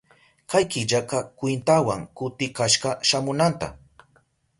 Kay killkaka kwintawan kutikashka shamunanta.